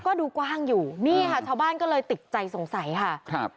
ก็ดูกว้างอยู่นี่ค่ะชาวบ้านก็เลยติดใจสงสัยค่ะครับ